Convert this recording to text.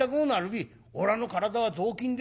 おらの体は雑巾でねえ。